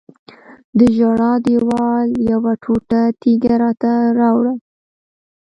د ژړا دیوال یوه ټوټه تیږه راته راوړه.